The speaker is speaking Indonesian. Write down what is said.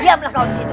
diamlah kau disitu